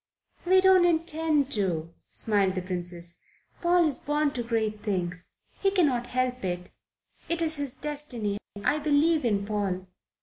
"We don't intend to," smiled the Princess. "Paul is born to great things. He cannot help it. It is his destiny, I believe in Paul."